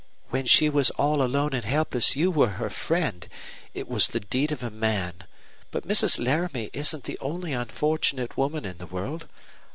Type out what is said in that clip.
"When she was all alone and helpless you were her friend. It was the deed of a man. But Mrs. Laramie isn't the only unfortunate woman in the world.